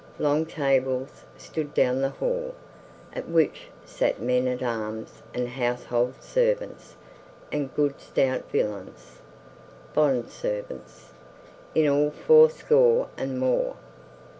Long tables stood down the hall, at which sat men at arms and household servants and good stout villains,(1) in all fourscore and more.